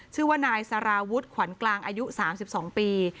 ชื่อว่านายสารวุฒิขวัญกลางอายุ๓๒ปี